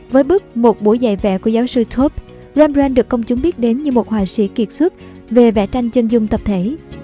với bức một bổi giải vẻ của giáo sư túp rembrandt được công chúng biết đến như một hoài sĩ kiệt xuất về vẽ tranh chân dung tập thể